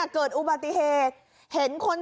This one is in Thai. โอ้ยเกิดบัจเกจค่ะ